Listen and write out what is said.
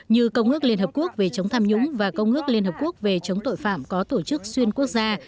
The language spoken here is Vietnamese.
như công ước liên hợp quốc về chống tham nhũng và công ước liên hợp quốc về chống tội phạm có tổ chức xuyên quốc gia